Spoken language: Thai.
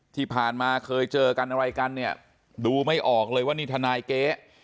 ที่ผ่านมาเคยเจอกันอะไรกันเนี่ยดูไม่ออกเลยว่านี่ทนายเก๊